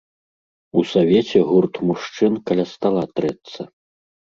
У савеце гурт мужчын каля стала трэцца.